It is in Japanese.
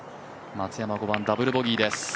松山５番ダブルボギーです